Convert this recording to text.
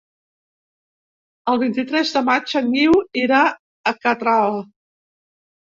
El vint-i-tres de maig en Guiu irà a Catral.